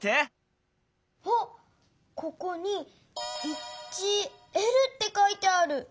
あっここに「１Ｌ」ってかいてある。